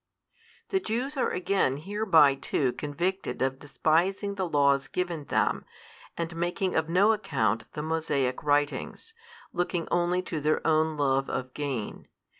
The Jews are again hereby too convicted of despising the laws given them, and making of no account the Mosaic writings, looking only to their own love of gain.